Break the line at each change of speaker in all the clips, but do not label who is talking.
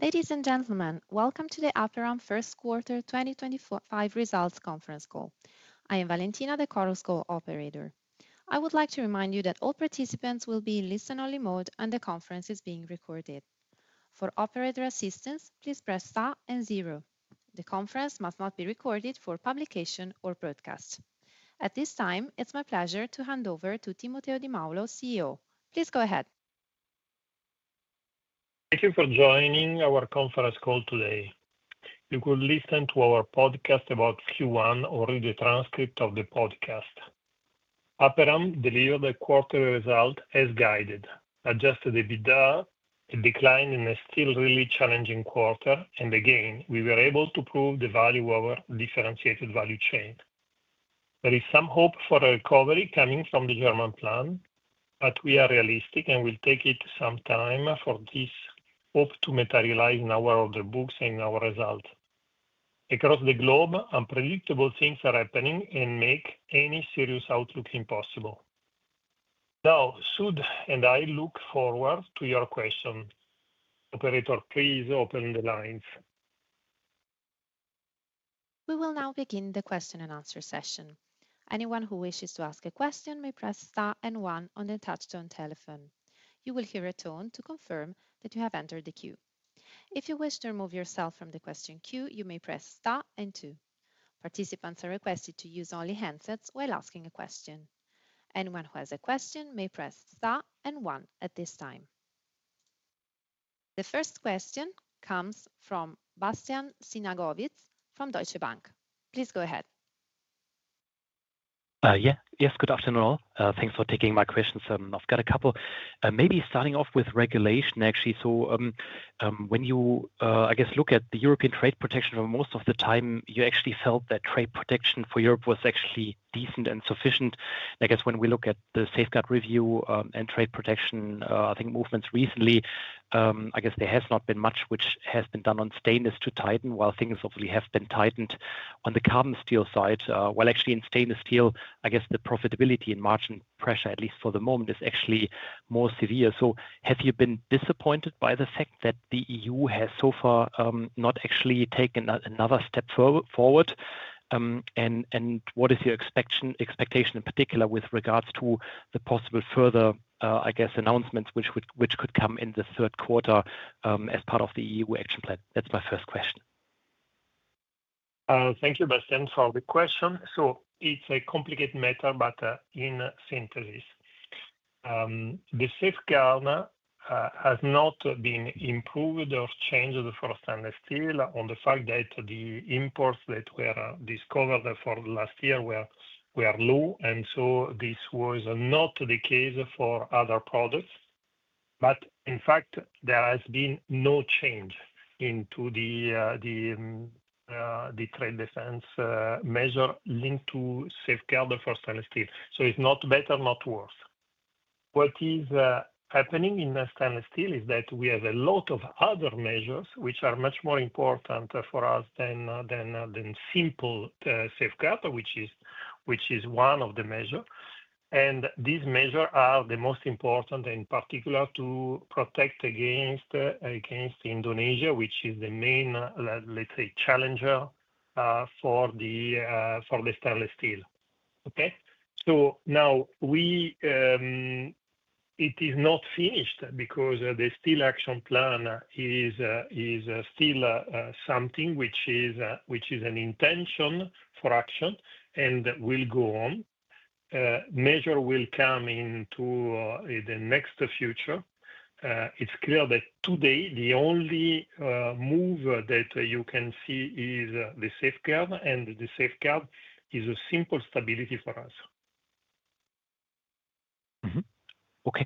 Ladies and gentlemen, welcome to the Aperam first quarter 2025 results conference call. I am Valentina, the call operator. I would like to remind you that all participants will be in listen-only mode and the conference is being recorded. For operator assistance, please press star and zero. The conference must not be recorded for publication or broadcast. At this time, it's my pleasure to hand over to Timoteo Di Maulo, CEO. Please go ahead.
Thank you for joining our conference call today. You could listen to our podcast about Q1 or read the transcript of the podcast. Aperam delivered a quarterly result as guided. Adjusted EBITDA, it declined in a still really challenging quarter, and again, we were able to prove the value of our differentiated value chain. There is some hope for a recovery coming from the German plan, but we are realistic and will take it some time for this hope to materialize in our other books and in our results. Across the globe, unpredictable things are happening and make any serious outlook impossible. Now, Sudh and I look forward to your question. Operator, please open the lines.
We will now begin the question and answer session. Anyone who wishes to ask a question may press star and one on the touchstone telephone. You will hear a tone to confirm that you have entered the queue. If you wish to remove yourself from the question queue, you may press star and two. Participants are requested to use only handsets while asking a question. Anyone who has a question may press star and one at this time. The first question comes from Bastian Synagowitz from Deutsche Bank. Please go ahead.
Yeah, yes, good afternoon all. Thanks for taking my questions. I've got a couple. Maybe starting off with regulation, actually. When you, I guess, look at the European trade protection, most of the time you actually felt that trade protection for Europe was actually decent and sufficient. I guess when we look at the Safeguard Review and trade protection, I think movements recently, there has not been much which has been done on stainless to tighten while things obviously have been tightened on the carbon steel side. While actually in stainless steel, I guess the profitability and margin pressure, at least for the moment, is actually more severe. Have you been disappointed by the fact that the EU has so far not actually taken another step forward? What is your expectation in particular with regards to the possible further, I guess, announcements which could come in the third quarter as part of the EU action plan? That's my first question.
Thank you, Bastian, for the question. It's a complicated matter, but in synthesis. The safeguard has not been improved or changed for stainless steel on the fact that the imports that were discovered for last year were low, and this was not the case for other products. In fact, there has been no change into the trade defense measure linked to safeguard for stainless steel. It's not better, not worse. What is happening in stainless steel is that we have a lot of other measures which are much more important for us than simple safeguard, which is one of the measures. These measures are the most important in particular to protect against Indonesia, which is the main, let's say, challenger for the stainless steel. Okay? Now it is not finished because the steel action plan is still something which is an intention for action and will go on. Measure will come into the next future. It's clear that today the only move that you can see is the safeguard, and the safeguard is a simple stability for us.
Okay.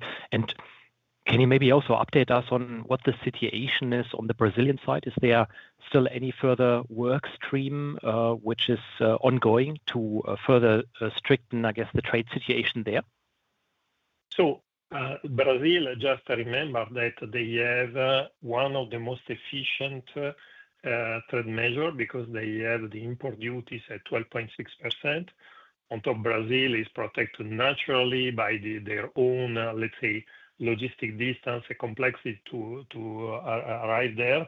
Can you maybe also update us on what the situation is on the Brazilian side? Is there still any further work stream which is ongoing to further strengthen, I guess, the trade situation there?
Brazil, just remember that they have one of the most efficient trade measures because they have the import duties at 12.6%. On top, Brazil is protected naturally by their own, let's say, logistic distance and complexity to arrive there.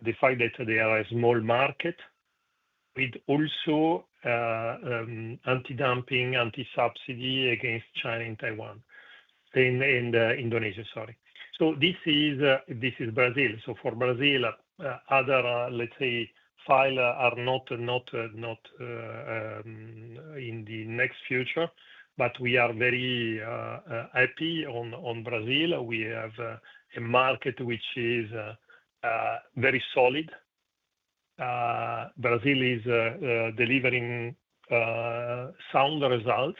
The fact that they are a small market with also anti-dumping, anti-subsidy against China and Taiwan and Indonesia, sorry. This is Brazil. For Brazil, other, let's say, files are not in the next future, but we are very happy on Brazil. We have a market which is very solid. Brazil is delivering sound results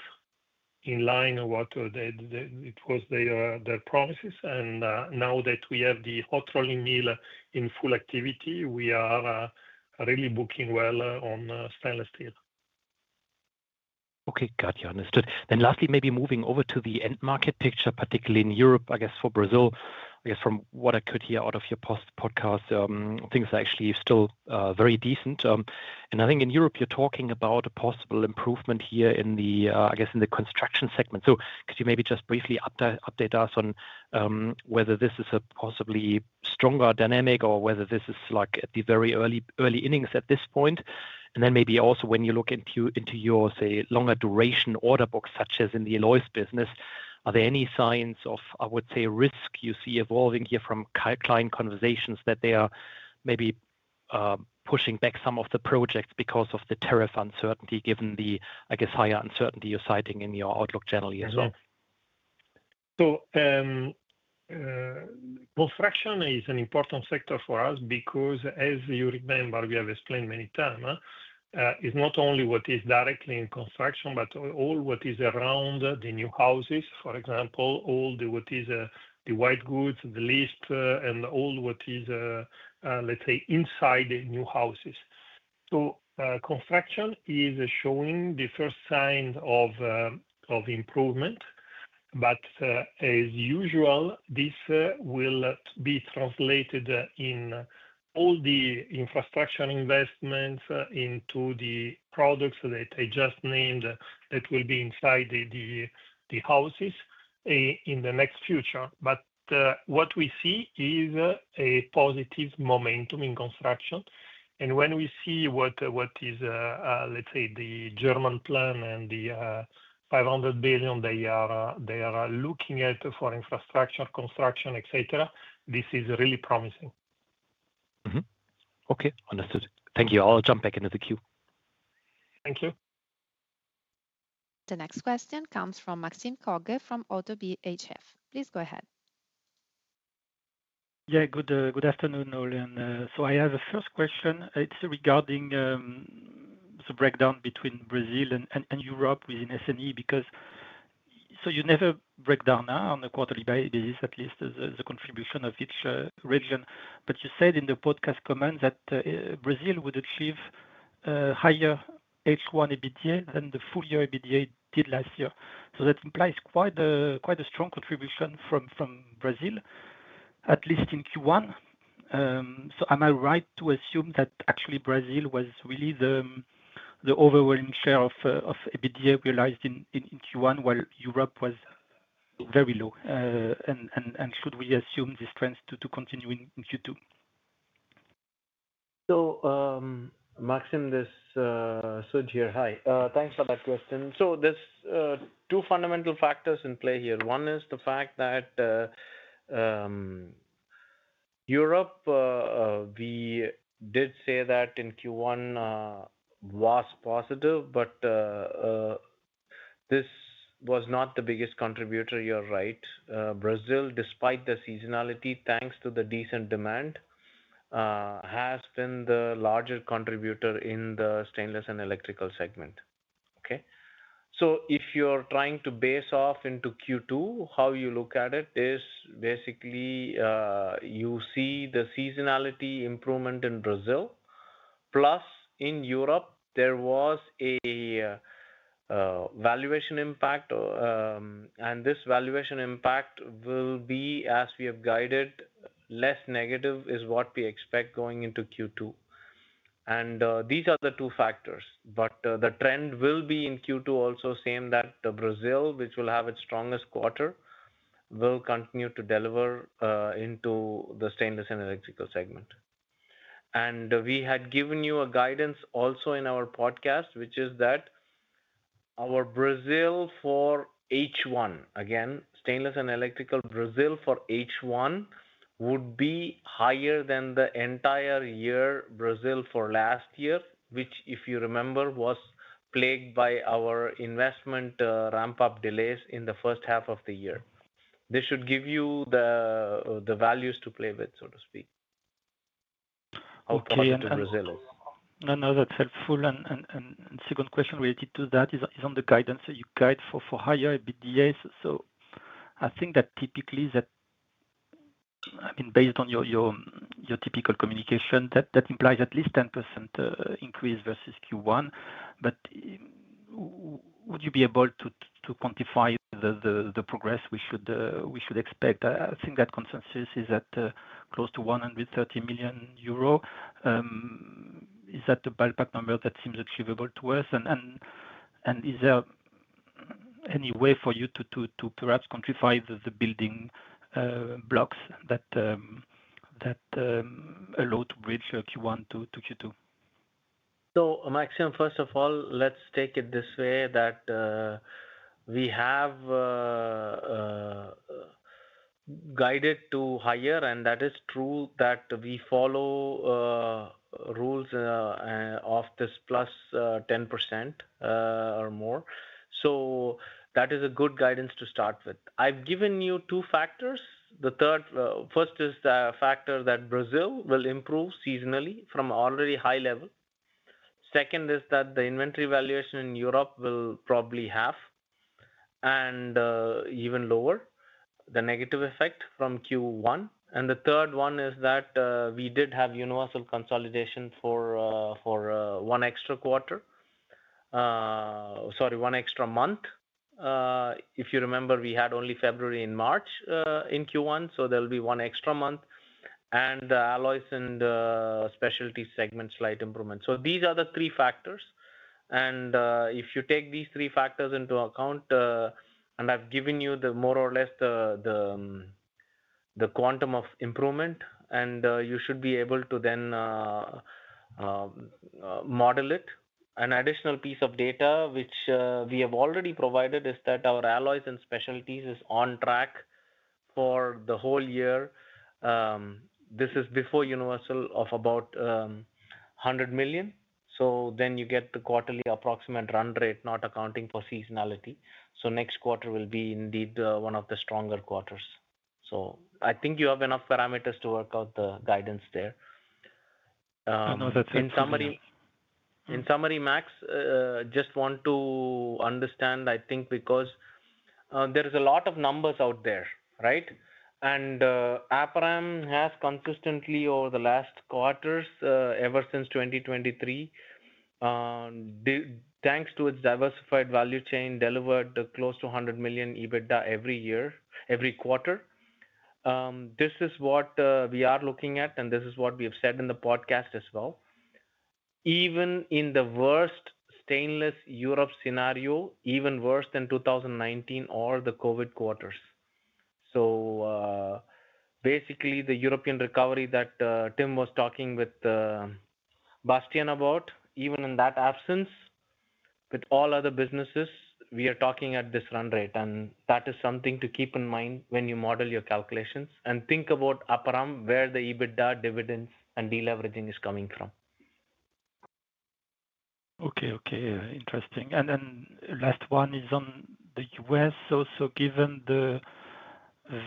in line with what it was their promises. Now that we have the hot rolling mill in full activity, we are really booking well on stainless steel.
Okay, got you. Understood. Lastly, maybe moving over to the end market picture, particularly in Europe, I guess for Brazil, I guess from what I could hear out of your podcast, things are actually still very decent. I think in Europe, you're talking about a possible improvement here in the, I guess, in the construction segment. Could you maybe just briefly update us on whether this is a possibly stronger dynamic or whether this is like at the very early innings at this point? When you look into your, say, longer duration order books, such as in the Alloys business, are there any signs of, I would say, risk you see evolving here from client conversations that they are maybe pushing back some of the projects because of the tariff uncertainty given the, I guess, higher uncertainty you're citing in your outlook generally as well?
Construction is an important sector for us because, as you remember, we have explained many times, it's not only what is directly in construction, but all what is around the new houses, for example, all what is the white goods, the list, and all what is, let's say, inside the new houses. Construction is showing the first signs of improvement, but as usual, this will be translated in all the infrastructure investments into the products that I just named that will be inside the houses in the next future. What we see is a positive momentum in construction. When we see what is, let's say, the German plan and the 500 billion they are looking at for infrastructure, construction, etc., this is really promising.
Okay, understood. Thank you. I'll jump back into the queue.
Thank you.
The next question comes from Maxime Kogge from Oddo BHF. Please go ahead.
Yeah, good afternoon, Olian. I have a first question. It's regarding the breakdown between Brazil and Europe within S&E because you never break down on a quarterly basis, at least as a contribution of each region. You said in the podcast comment that Brazil would achieve higher H1 EBITDA than the full year EBITDA did last year. That implies quite a strong contribution from Brazil, at least in Q1. Am I right to assume that actually Brazil was really the overwhelming share of EBITDA realized in Q1 while Europe was very low? Should we assume this trend to continue in Q2?
Maxim, this is Sudh here. Hi. Thanks for that question. There are two fundamental factors in play here. One is the fact that Europe, we did say that in Q1 was positive, but this was not the biggest contributor, you're right. Brazil, despite the seasonality, thanks to the decent demand, has been the larger contributor in the Stainless and electrical segment. Okay? If you're trying to base off into Q2, how you look at it is basically you see the seasonality improvement in Brazil. Plus, in Europe, there was a valuation impact, and this valuation impact will be, as we have guided, less negative is what we expect going into Q2. These are the two factors, but the trend will be in Q2 also same that Brazil, which will have its strongest quarter, will continue to deliver into the stainless and electrical segment. We had given you a guidance also in our podcast, which is that our Brazil for H1, again, stainless and electrical Brazil for H1 would be higher than the entire year Brazil for last year, which, if you remember, was plagued by our investment ramp-up delays in the first half of the year. This should give you the values to play with, so to speak.
Thank you.
Our product in Brazil is.
No, no, that's helpful. Second question related to that is on the guidance that you guide for higher EBITDA. I think that typically, I mean, based on your typical communication, that implies at least 10% increase versus Q1. Would you be able to quantify the progress we should expect? I think that consensus is at close to 130 million euro. Is that the ballpark number that seems achievable to us? Is there any way for you to perhaps quantify the building blocks that allow to bridge Q1 to Q2?
Maxim, first of all, let's take it this way that we have guided to higher, and that is true that we follow rules of this plus 10% or more. That is a good guidance to start with. I've given you two factors. The third, first is the factor that Brazil will improve seasonally from already high level. Second is that the inventory valuation in Europe will probably half and even lower, the negative effect from Q1. The third one is that we did have Universal consolidation for one extra quarter, sorry, one extra month. If you remember, we had only February and March in Q1, so there will be one extra month. And the Alloys and Specialty segments slight improvement. These are the three factors. If you take these three factors into account, and I've given you more or less the quantum of improvement, you should be able to then model it. An additional piece of data which we have already provided is that our Alloys and specialties is on track for the whole year. This is before Universal of about 100 million. You get the quarterly approximate run rate, not accounting for seasonality. Next quarter will be indeed one of the stronger quarters. I think you have enough parameters to work out the guidance there.
No, that's helpful.
In summary, Max, just want to understand, I think, because there's a lot of numbers out there, right? And Aperam has consistently over the last quarters ever since 2023, thanks to its diversified value chain, delivered close to 100 million EBITDA every quarter. This is what we are looking at, and this is what we have said in the podcast as well. Even in the worst stainless Europe scenario, even worse than 2019 or the COVID quarters. Basically, the European recovery that Tim was talking with Bastian about, even in that absence, with all other businesses, we are talking at this run rate. That is something to keep in mind when you model your calculations and think about Aperam, where the EBITDA, dividends, and deleveraging is coming from.
Okay, okay. Interesting. The last one is on the U.S., also given the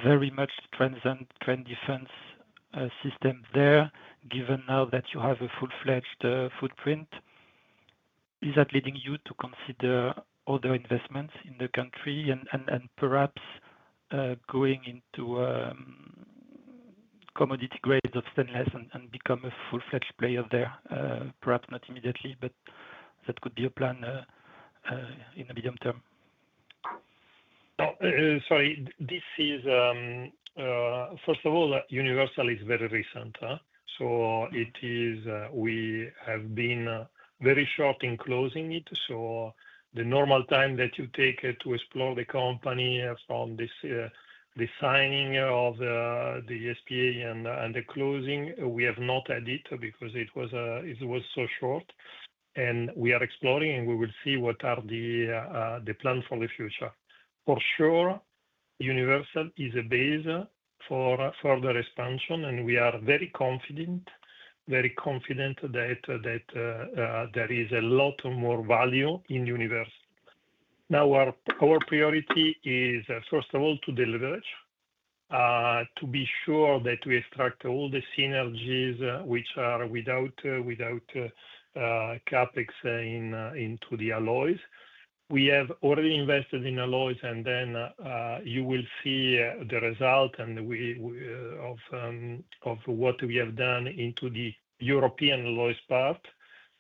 very much trend defense system there, given now that you have a full-fledged footprint, is that leading you to consider other investments in the country and perhaps going into commodity grades of stainless and become a full-fledged player there? Perhaps not immediately, but that could be a plan in the medium term.
Sorry, this is, first of all, Universal is very recent. We have been very short in closing it. The normal time that you take to explore the company from the signing of the SPA and the closing, we have not had it because it was so short. We are exploring, and we will see what are the plans for the future. For sure, Universal is a base for further expansion, and we are very confident, very confident that there is a lot more value in Universal. Now, our priority is, first of all, to deleverage, to be sure that we extract all the synergies which are without CapEx into the Alloys. We have already invested in Alloys, and then you will see the result of what we have done into the European Alloys part.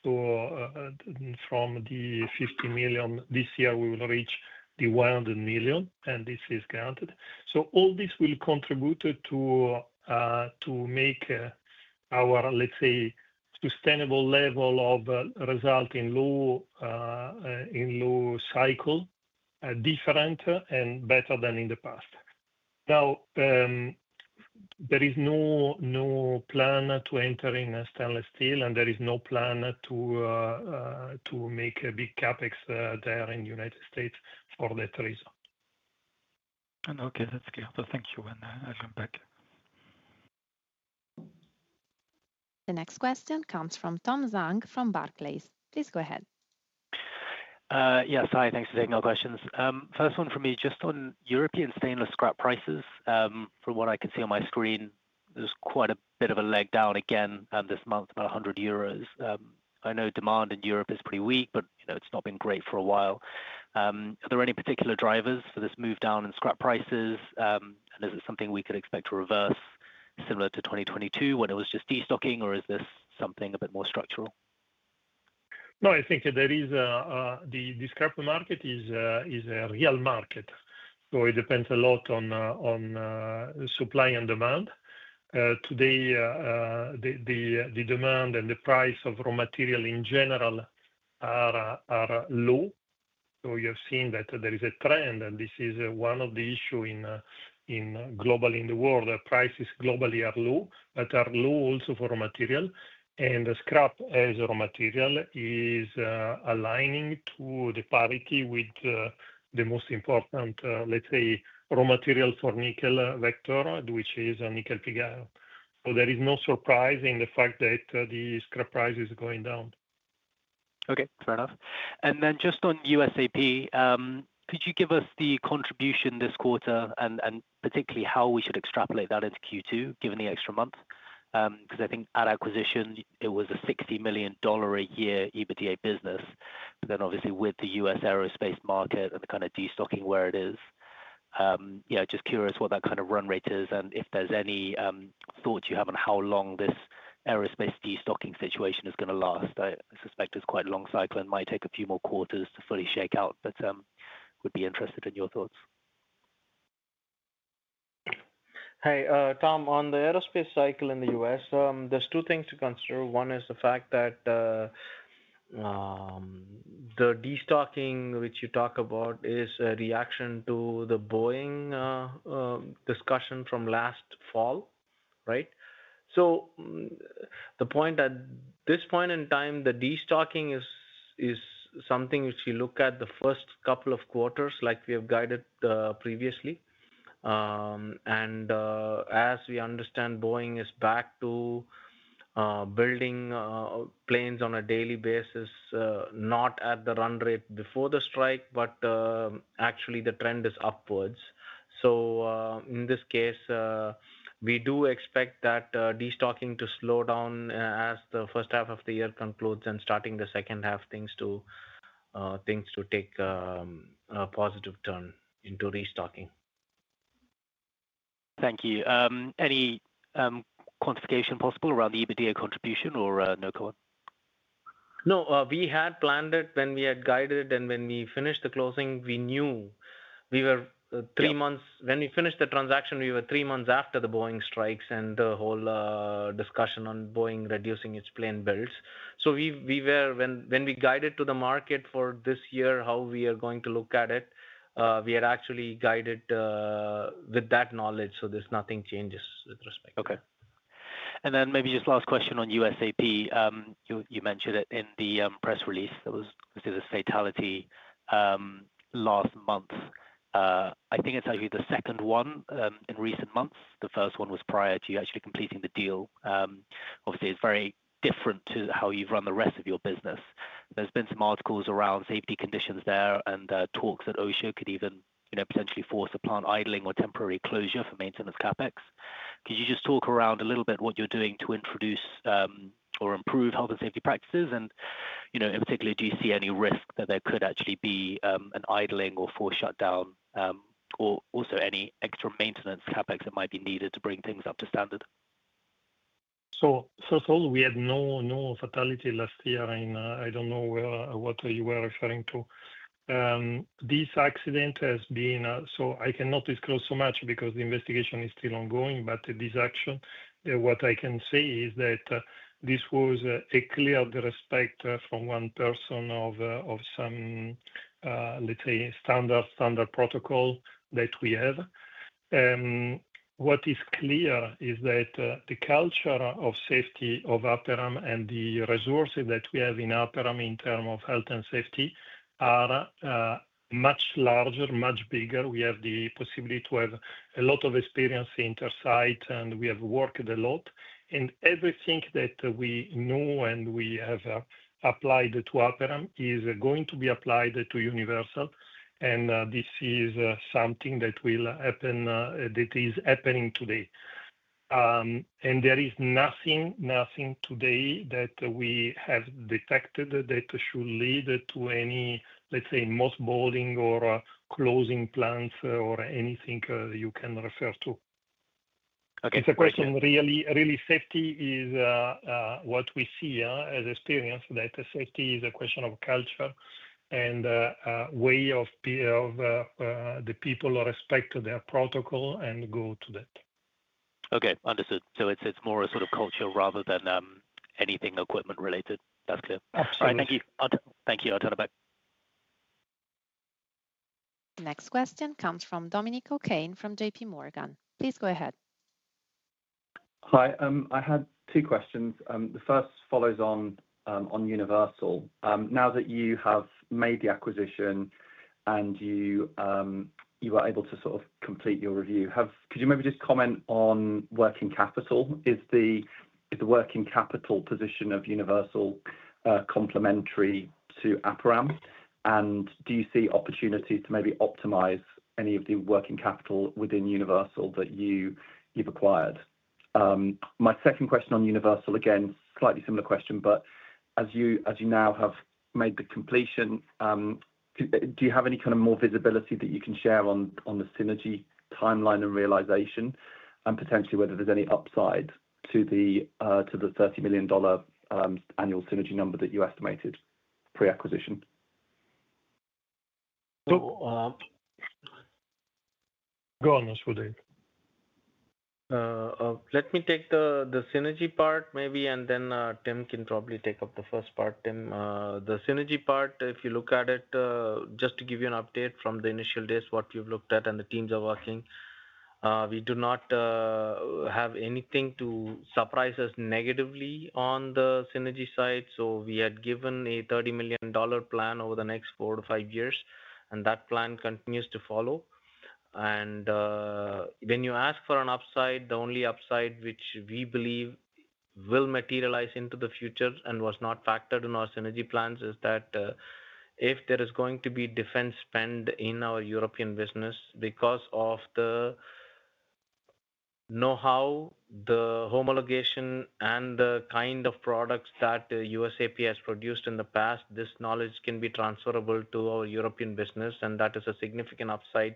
From the 50 million this year, we will reach the 100 million, and this is granted. All this will contribute to make our, let's say, sustainable level of result in low cycle different and better than in the past. Now, there is no plan to enter in stainless steel, and there is no plan to make a big CapEx there in the United States for that reason.
Okay, that's clear. Thank you, and I'll come back.
The next question comes from Tom Zhang from Barclays. Please go ahead.
Yes, hi. Thanks for taking our questions. First one for me, just on European stainless scrap prices. From what I can see on my screen, there's quite a bit of a leg down again this month, about 100 euros. I know demand in Europe is pretty weak, but it's not been great for a while. Are there any particular drivers for this move down in scrap prices? Is it something we could expect to reverse, similar to 2022 when it was just destocking, or is this something a bit more structural?
No, I think that the scrap market is a real market. It depends a lot on supply and demand. Today, the demand and the price of raw material in general are low. You have seen that there is a trend, and this is one of the issues globally in the world. Prices globally are low, but are low also for raw material. Scrap as a raw material is aligning to the parity with the most important, let's say, raw material for nickel vector, which is nickel pig iron. There is no surprise in the fact that the scrap price is going down.
Okay, fair enough. Just on USAP, could you give us the contribution this quarter and particularly how we should extrapolate that into Q2, given the extra month? I think at acquisition, it was a $60 million a year EBITDA business. Obviously, with the U.S. aerospace market and the kind of destocking where it is, just curious what that kind of run rate is and if there's any thoughts you have on how long this aerospace destocking situation is going to last. I suspect it's quite a long cycle and might take a few more quarters to fully shake out, but would be interested in your thoughts.
Hi, Tom. On the aerospace cycle in the U.S., there's two things to consider. One is the fact that the destocking, which you talk about, is a reaction to the Boeing discussion from last fall, right? At this point in time, the destocking is something which we look at the first couple of quarters, like we have guided previously. As we understand, Boeing is back to building planes on a daily basis, not at the run rate before the strike, but actually the trend is upwards. In this case, we do expect that destocking to slow down as the first half of the year concludes and starting the second half, things to take a positive turn into restocking.
Thank you. Any quantification possible around the EBITDA contribution or no comment?
No, we had planned it when we had guided it, and when we finished the closing, we knew we were three months when we finished the transaction, we were three months after the Boeing strikes and the whole discussion on Boeing reducing its plane builds. When we guided to the market for this year, how we are going to look at it, we had actually guided with that knowledge. There is nothing changes with respect.
Okay. And then maybe just last question on USAP. You mentioned it in the press release that was considered fatality last month. I think it's actually the second one in recent months. The first one was prior to you actually completing the deal. Obviously, it's very different to how you've run the rest of your business. There's been some articles around safety conditions there and talks that OSHA could even potentially force a plant idling or temporary closure for maintenance CapEx. Could you just talk around a little bit what you're doing to introduce or improve health and safety practices? In particular, do you see any risk that there could actually be an idling or forced shutdown or also any extra maintenance CapEx that might be needed to bring things up to standard?
First of all, we had no fatality last year, and I don't know what you were referring to. This accident has been, so I cannot disclose so much because the investigation is still ongoing, but this action, what I can say is that this was a clear respect from one person of some, let's say, standard protocol that we have. What is clear is that the culture of safety of Aperam and the resources that we have in Aperam in terms of health and safety are much larger, much bigger. We have the possibility to have a lot of experience in intersite, and we have worked a lot. Everything that we know and we have applied to Aperam is going to be applied to Universal. This is something that will happen, that is happening today. There is nothing today that we have detected that should lead to any, let's say, mothballing or closing plans or anything you can refer to.
Okay.
It's a question really, really safety is what we see as experience that safety is a question of culture and way of the people respect their protocol and go to that.
Okay, understood. It is more a sort of culture rather than anything equipment related. That is clear.
Absolutely.
Thank you. Thank you. I'll turn it back.
The next question comes from Dominic O'Kane from JPMorgan. Please go ahead.
Hi. I had two questions. The first follows on Universal. Now that you have made the acquisition and you were able to sort of complete your review, could you maybe just comment on working capital? Is the working capital position of Universal complementary to Aperam? And do you see opportunities to maybe optimize any of the working capital within Universal that you've acquired? My second question on Universal, again, slightly similar question, but as you now have made the completion, do you have any kind of more visibility that you can share on the synergy timeline and realization and potentially whether there's any upside to the $30 million annual synergy number that you estimated pre-acquisition?
Go on, Sudh.
Let me take the synergy part maybe, and then Tim can probably take up the first part. Tim, the synergy part, if you look at it, just to give you an update from the initial days, what you've looked at and the teams are working, we do not have anything to surprise us negatively on the synergy side. We had given a $30 million plan over the next four to five years, and that plan continues to follow. When you ask for an upside, the only upside which we believe will materialize into the future and was not factored in our synergy plans is that if there is going to be defense spend in our European business, because of the know-how, the homologation, and the kind of products that USAP has produced in the past, this knowledge can be transferable to our European business, and that is a significant upside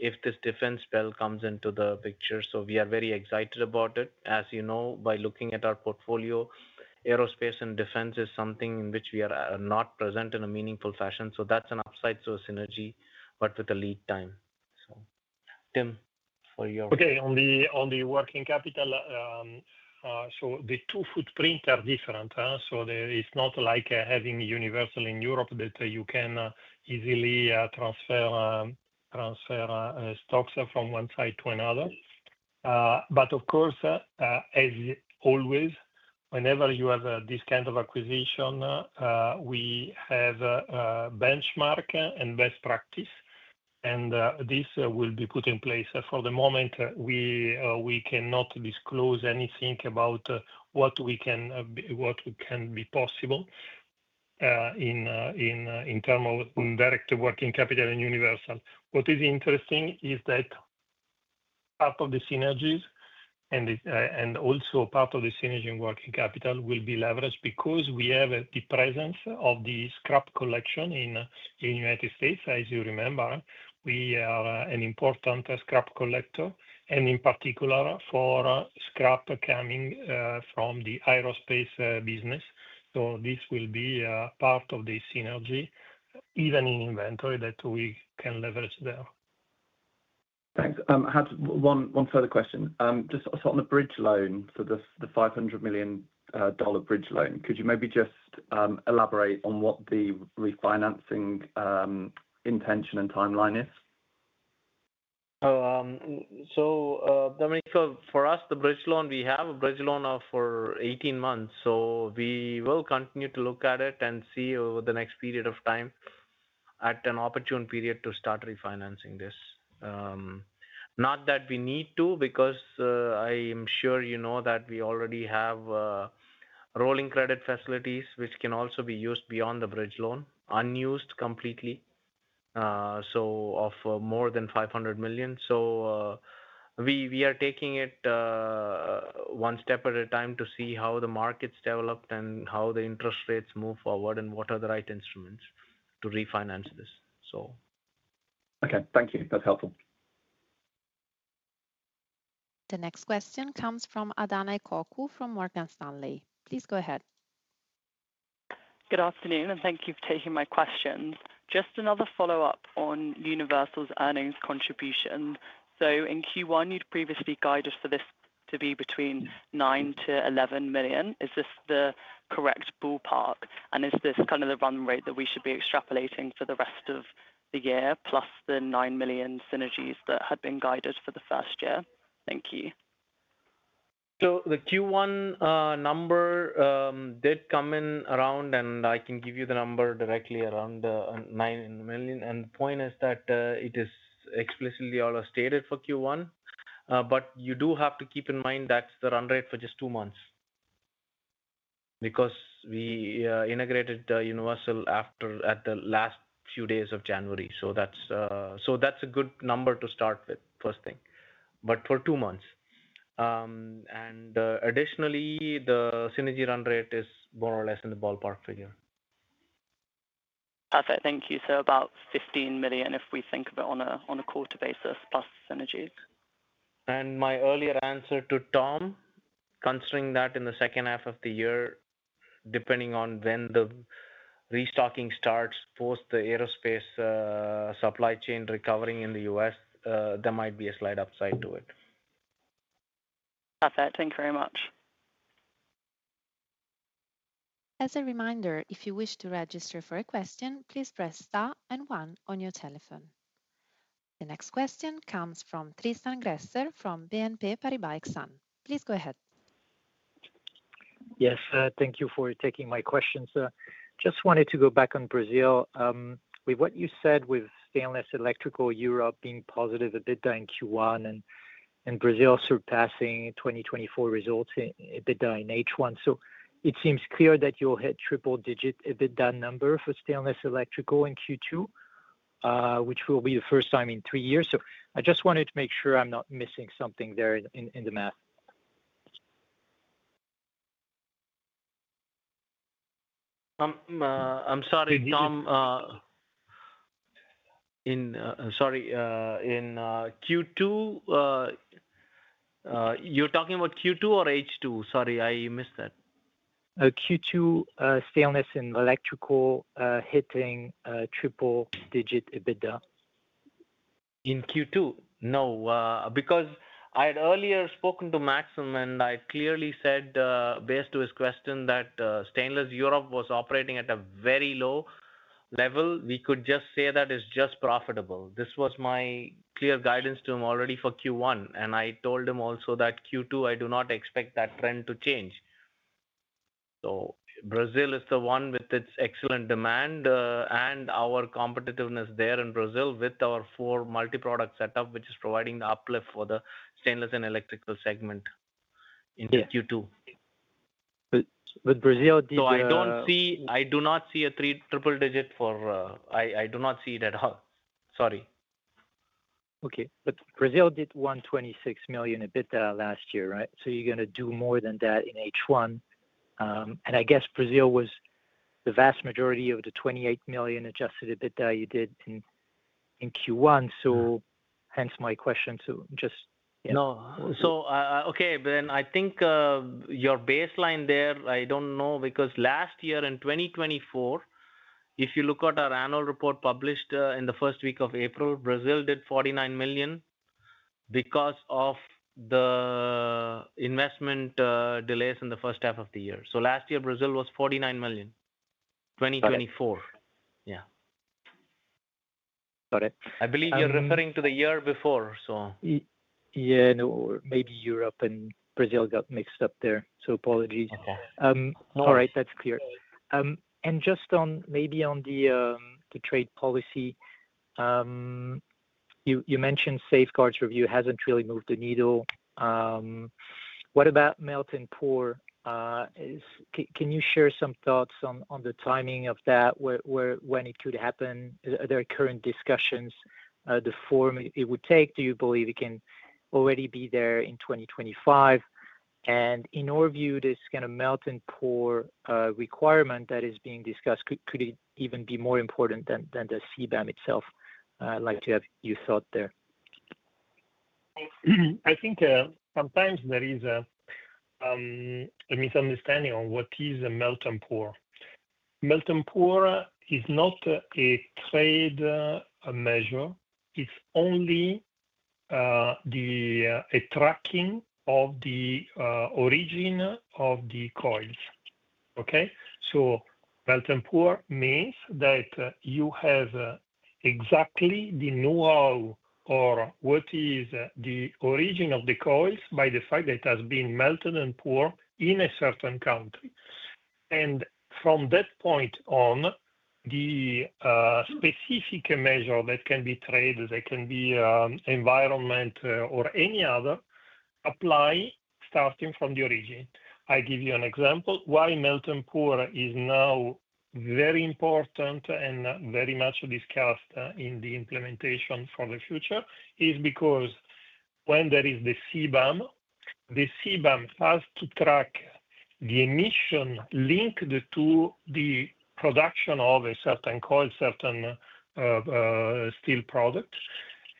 if this defense spell comes into the picture. We are very excited about it. As you know, by looking at our portfolio, aerospace and defense is something in which we are not present in a meaningful fashion. That is an upside to a synergy, but with a lead time. Tim, for your.
Okay. On the working capital, the two footprints are different. It is not like having Universal in Europe that you can easily transfer stocks from one side to another. Of course, as always, whenever you have this kind of acquisition, we have benchmark and best practice, and this will be put in place. For the moment, we cannot disclose anything about what can be possible in terms of direct working capital and Universal. What is interesting is that part of the synergies and also part of the synergy in working capital will be leveraged because we have the presence of the scrap collection in the United States. As you remember, we are an important scrap collector, and in particular for scrap coming from the aerospace business. This will be part of the synergy, even in inventory that we can leverage there.
Thanks. One further question. Just on the bridge loan, so the $500 million bridge loan, could you maybe just elaborate on what the refinancing intention and timeline is?
Dominico, for us, the bridge loan, we have a bridge loan for 18 months. We will continue to look at it and see over the next period of time at an opportune period to start refinancing this. Not that we need to, because I am sure you know that we already have rolling credit facilities, which can also be used beyond the bridge loan, unused completely, so of more than 500 million. We are taking it one step at a time to see how the markets develop and how the interest rates move forward and what are the right instruments to refinance this.
Okay. Thank you. That's helpful.
The next question comes from Adanha Ekoku from Morgan Stanley. Please go ahead.
Good afternoon, and thank you for taking my questions. Just another follow-up on Universal's earnings contribution. In Q1, you'd previously guided for this to be between $9 million-$11 million. Is this the correct ballpark? Is this kind of the run rate that we should be extrapolating for the rest of the year, plus the $9 million synergies that had been guided for the first year? Thank you.
The Q1 number did come in around, and I can give you the number directly, around $9 million. The point is that it is explicitly already stated for Q1, but you do have to keep in mind that's the run rate for just two months because we integrated Universal at the last few days of January. That's a good number to start with, first thing, but for two months. Additionally, the synergy run rate is more or less in the ballpark figure.
Perfect. Thank you. About $15 million if we think of it on a quarter basis plus synergies.
My earlier answer to Tom, considering that in the second half of the year, depending on when the restocking starts post the aerospace supply chain recovering in the U.S., there might be a slight upside to it.
Perfect. Thank you very much.
As a reminder, if you wish to register for a question, please press star and one on your telephone. The next question comes from Tristan Gresser from BNP Paribas Exane. Please go ahead.
Yes. Thank you for taking my question. Just wanted to go back on Brazil. With what you said with stainless electrical Europe being positive EBITDA in Q1 and Brazil surpassing 2024 results in EBITDA in H1, it seems clear that you'll hit triple-digit EBITDA number for stainless electrical in Q2, which will be the first time in three years. I just wanted to make sure I'm not missing something there in the math.
I'm sorry, Tom. Sorry. In Q2, you're talking about Q2 or H2? Sorry, I missed that.
Q2, stainless and electrical hitting triple-digit EBITDA.
In Q2? No, because I had earlier spoken to Maxim, and I clearly said based on his question that stainless Europe was operating at a very low level. We could just say that it's just profitable. This was my clear guidance to him already for Q1. I told him also that Q2, I do not expect that trend to change. Brazil is the one with its excellent demand and our competitiveness there in Brazil with our four multi-product setup, which is providing the uplift for the stainless and electrical segment in Q2.
With Brazil, did you?
I do not see a triple-digit for I do not see it at all. Sorry.
Okay. Brazil did 126 million EBITDA last year, right? You are going to do more than that in H1. I guess Brazil was the vast majority of the 28 million adjusted EBITDA you did in Q1. Hence my question. Just.
No. Okay. I think your baseline there, I do not know, because last year in 2024, if you look at our annual report published in the first week of April, Brazil did 49 million because of the investment delays in the first half of the year. Last year, Brazil was 49 million, 2024. Yeah.
Got it.
I believe you're referring to the year before, so.
Yeah. No, maybe Europe and Brazil got mixed up there. Apologies. All right. That's clear. Just maybe on the trade policy, you mentioned Safeguards Review hasn't really moved the needle. What about melt and pour? Can you share some thoughts on the timing of that, when it could happen? Are there current discussions? The form it would take, do you believe it can already be there in 2025? In your view, this kind of melt and pour requirement that is being discussed, could it even be more important than the CBAM itself? I'd like to have your thought there.
I think sometimes there is a misunderstanding on what is a melt and pour. Melt and pour is not a trade measure. It's only a tracking of the origin of the coils. Okay? So melt and pour means that you have exactly the know-how or what is the origin of the coils by the fact that it has been melted and poured in a certain country. From that point on, the specific measure that can be traded, that can be environment or any other, apply starting from the origin. I give you an example. Why melt and pour is now very important and very much discussed in the implementation for the future is because when there is the CBAM, the CBAM has to track the emission linked to the production of a certain coil, certain steel product.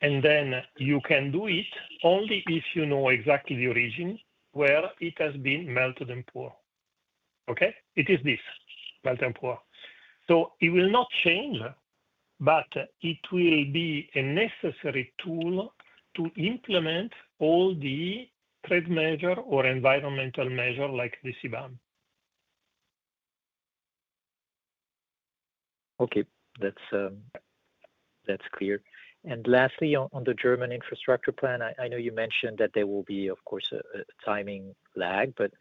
You can do it only if you know exactly the origin where it has been melted and poured. Okay? It is this, melt and pour. It will not change, but it will be a necessary tool to implement all the trade measure or environmental measure like the CBAM.
Okay. That's clear. Lastly, on the German infrastructure plan, I know you mentioned that there will be, of course, a timing lag, but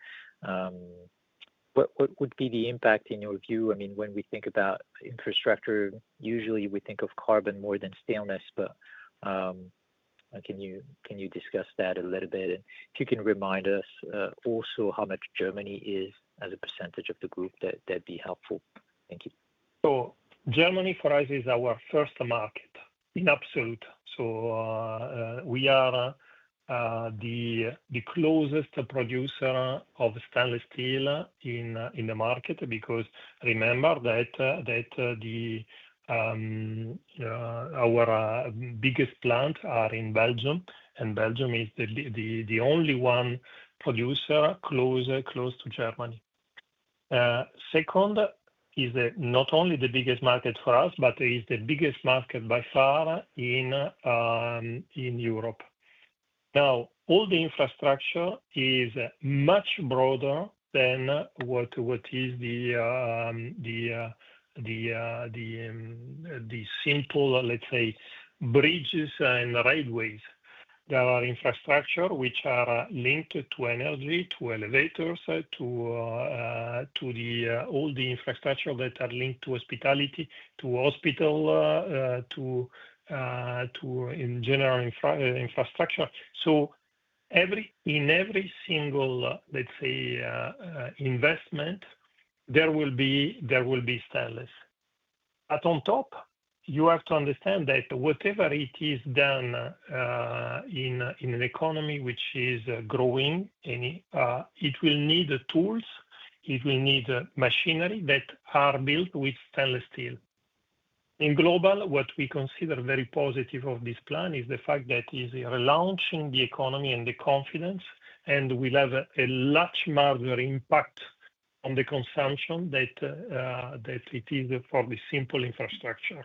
what would be the impact in your view? I mean, when we think about infrastructure, usually we think of carbon more than stainless, but can you discuss that a little bit? If you can remind us also how much Germany is as a percentage of the group, that'd be helpful. Thank you.
Germany for us is our first market in absolute. We are the closest producer of stainless steel in the market because remember that our biggest plants are in Belgium, and Belgium is the only one producer close to Germany. Second, it is not only the biggest market for us, but it is the biggest market by far in Europe. Now, all the infrastructure is much broader than what is the simple, let's say, bridges and railways. There are infrastructure which are linked to energy, to elevators, to all the infrastructure that are linked to hospitality, to hospital, to general infrastructure. In every single, let's say, investment, there will be stainless. On top, you have to understand that whatever it is done in an economy which is growing, it will need tools. It will need machinery that are built with stainless steel. In global, what we consider very positive of this plan is the fact that it is relaunching the economy and the confidence, and we'll have a large margin impact on the consumption that it is for the simple infrastructure.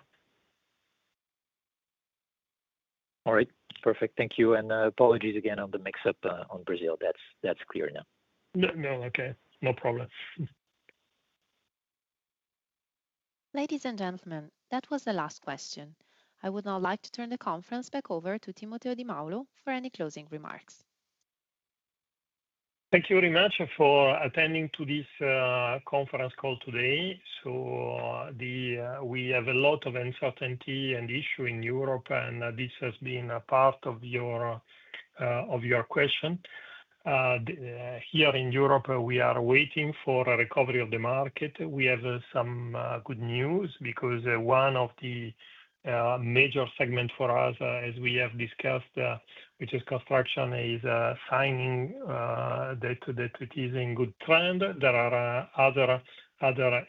All right. Perfect. Thank you. Apologies again on the mix-up on Brazil. That's clear now.
No, no. Okay. No problem.
Ladies and gentlemen, that was the last question. I would now like to turn the conference back over to Timoteo Di Maulo for any closing remarks.
Thank you very much for attending to this conference call today. We have a lot of uncertainty and issue in Europe, and this has been a part of your question. Here in Europe, we are waiting for a recovery of the market. We have some good news because one of the major segments for us, as we have discussed, which is construction, is signing that it is in good trend. There are other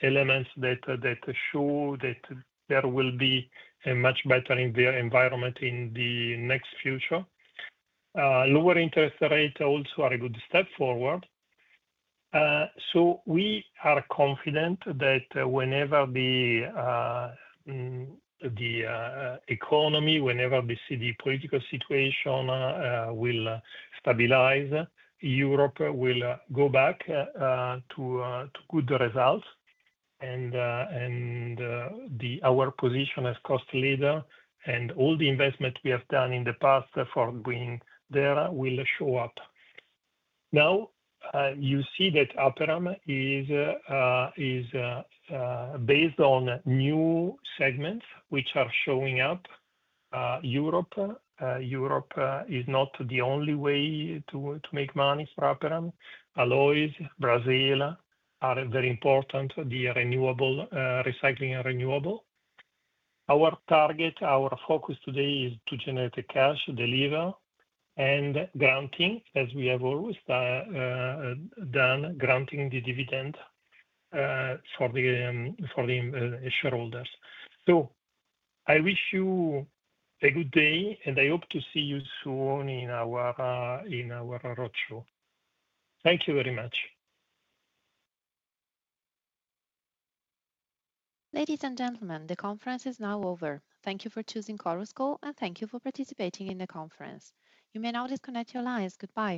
elements that show that there will be a much better environment in the next future. Lower interest rates also are a good step forward. We are confident that whenever the economy, whenever the political situation will stabilize, Europe will go back to good results. Our position as cost leader and all the investment we have done in the past for going there will show up. Now, you see that Aperam is based on new segments which are showing up. Europe is not the only way to make money for Aperam. Alloys, Brazil are very important, the renewable, recycling and renewable. Our target, our focus today is to generate the cash, deliver, and granting, as we have always done, granting the dividend for the shareholders. I wish you a good day, and I hope to see you soon in our roadshow. Thank you very much.
Ladies and gentlemen, the conference is now over. Thank you for choosing Aperam, and thank you for participating in the conference. You may now disconnect your lines. Goodbye.